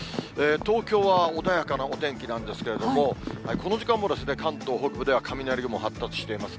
東京は穏やかなお天気なんですけれども、この時間も関東北部では雷雲、発達しています。